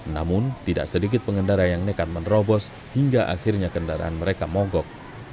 namun tidak sedikit pengendara yang nekat menerobos hingga akhirnya kendaraan mereka mogok